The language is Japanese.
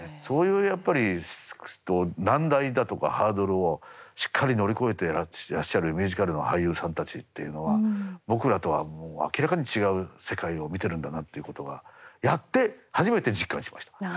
そういうやっぱり難題だとかハードルをしっかり乗り越えてらっしゃるミュージカルの俳優さんたちというのは僕らとは明らかに違う世界を見てるんだなっていうことがやって初めて実感しました。